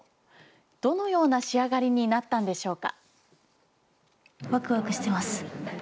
どのような仕上がりになったんでしょうか。